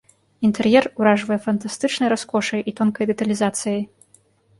Інтэр'ер уражвае фантастычнай раскошай і тонкай дэталізацыяй.